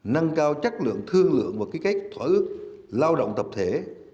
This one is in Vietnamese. năng cao chất lượng thương lượng và kỹ cách thỏa ước lao động tập thể